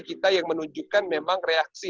kita yang menunjukkan memang reaksi